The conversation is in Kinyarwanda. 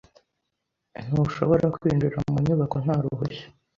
Ntushobora kwinjira mu nyubako nta ruhushya.